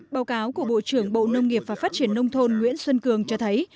báo cáo của bộ trưởng bộ nông nghiệp và phát triển nông thôn nguyễn xuân cường cho thấy